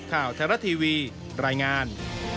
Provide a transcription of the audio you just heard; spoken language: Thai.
ข่าวแทรกทีวีรายงาน